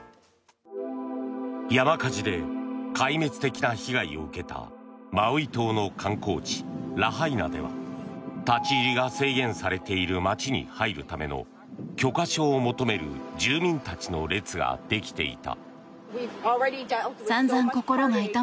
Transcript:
山火事で壊滅的な被害を受けたマウイ島の観光地ラハイナでは立ち入りが制限されている街に入るための許可証を求めるための住民たちの列ができていた。